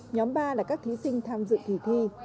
nhóm ba là các thí sinh tham dự kỳ thi